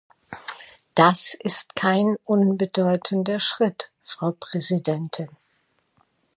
Das ist kein unbedeutender Schritt, Frau Präsidentin.